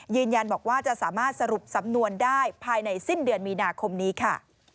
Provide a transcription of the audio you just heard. ยืนยันบอกว่าจะสามารถสรุปสำนวนได้ภายในสิ้นเดือนมีนาคมนี้ค่ะ